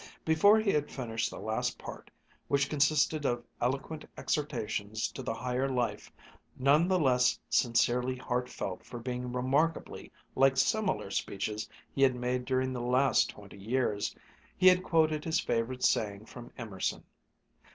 Before he had finished the last part, which consisted of eloquent exhortations to the higher life, none the less sincerely heartfelt for being remarkably like similar speeches he had made during the last twenty years, he had quoted his favorite saying from Emerson.